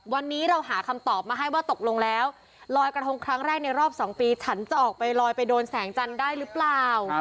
วันนี้เราหาคำตอบมาให้ว่าตกลงแล้วลอยกระทงครั้งแรกในรอบ๒ปีฉันจะออกไปลอยไปโดนแสงจันทร์ได้หรือเปล่า